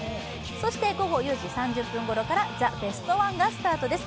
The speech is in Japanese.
そして午後４時３０分ごろから「ザ・ベストワン」がスタートです。